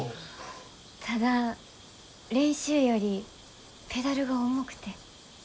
ただ練習よりペダルが重くて。